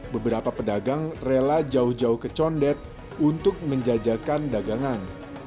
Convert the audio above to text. beberapa pedagang rela jauh jauh ke condet untuk menjajakan dagangan